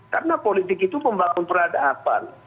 karena politik itu pembangun peradaban